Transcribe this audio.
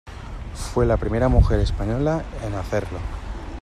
Fue la primera mujer española en hacerlo.